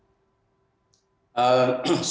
sejauh mana pak